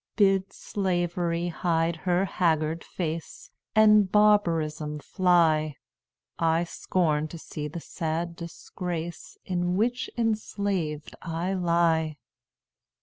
"Bid Slavery hide her haggard face, And barbarism fly; I scorn to see the sad disgrace, In which enslaved I lie.